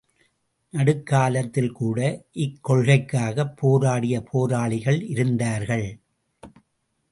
நடுக்காலத்தில்கூட இக்கொள்கைக்காகப் போராடிய போராளிகள் இருந்தார்கள்.